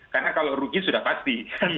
karena kalau rugi sudah pasti